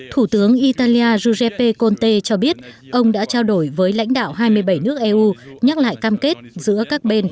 thủ tướng italia giuseppe conte cho biết ông đã trao đổi với lãnh đạo hai mươi bảy nước eu nhắc lại cam kết giữa các bên